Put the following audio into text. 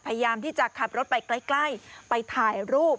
พยายามที่จะขับรถไปใกล้ไปถ่ายรูป